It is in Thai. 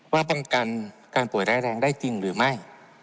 ว่าปัญการการป่วยแร้แรงได้จริงหรือไม่